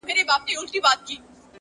فکر بدل شي، تقدیر بدلېږي!